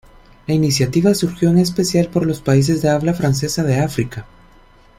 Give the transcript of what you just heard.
La iniciativa surgió, en especial, por los países de habla francesa de África.